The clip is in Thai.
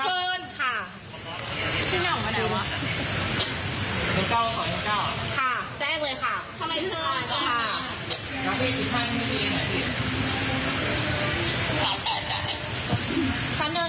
ถ้าไม่ซื้อที่ดียังไม่เป็นดีหรอก